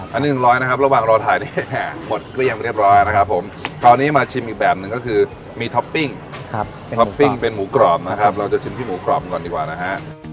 อันนี้๑๐๐นะครับระหว่างรอถ่ายนี่หมดเกลี้ยงไปเรียบร้อยนะครับผมคราวนี้มาชิมอีกแบบหนึ่งก็คือมีท็อปปิ้งท็อปปิ้งเป็นหมูกรอบนะครับเราจะชิมที่หมูกรอบก่อนดีกว่านะฮะ